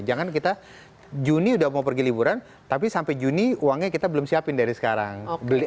jangan kita juni udah mau pergi liburan tapi sampai juni uangnya kita belum siapin dari sekarang beli